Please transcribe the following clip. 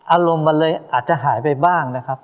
อารมณ์มันเลยอาจจะหายไปบ้างนะครับ